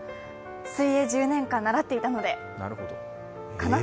水泳１０年間習っていたのでかな？